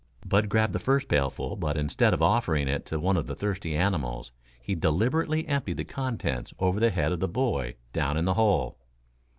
Bud grabbed the first pailful, but instead of offering it to one of the thirsty animals, he deliberately emptied the contents over the head of the boy down in the hole.